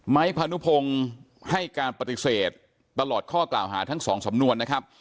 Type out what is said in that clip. พานุพงศ์ให้การปฏิเสธตลอดข้อกล่าวหาทั้งสองสำนวนนะครับ